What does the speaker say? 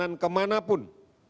jangan berjalanan kemanapun